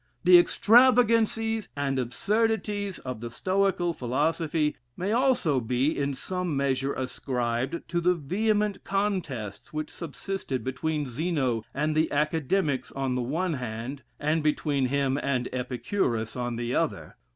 The extravagancies and absurdities of the Stoical philosophy may also be in some measure ascribed to the vehement contests which subsisted between Zeno and the Academics on the one hand, and between him and Epicurus on the other.